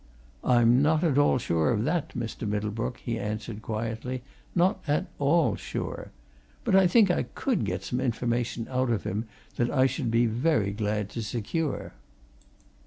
"I'm not at all sure of that, Mr. Middlebrook," he answered quietly. "Not at all sure! But I think I could get some information out of him that I should be very glad to secure."